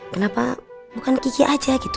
kenapa bukan kiki aja gitu